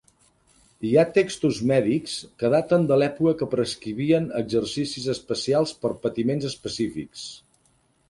Hi ha textos mèdics que daten de l'època que prescrivien exercicis especials per patiments específics.